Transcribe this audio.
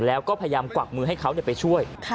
แล้วก็พยายามกวักมือให้เขาไปช่วย